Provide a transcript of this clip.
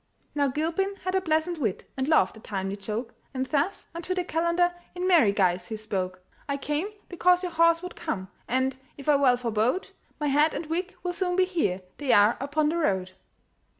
Now Gilpin had a pleasant wit, And loved a timely joke; And thus unto the calender In merry guise he spoke: "I came because your horse would come; And, if I well forebode, My hat and wig will soon be here, They are upon the road."